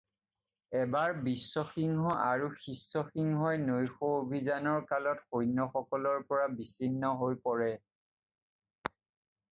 এবাৰ বিশ্বসিংহ আৰু শিষ্যসিংহই নৈশ অভিযান কালত সৈন্য সকলৰ পৰা বিচ্ছিন্ন হৈ পৰে।